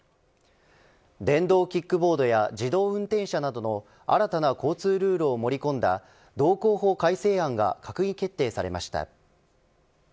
電動キックボードや自動運転車などの新たな交通ルールを盛り込んだ道交法改正案が閣議決定されました。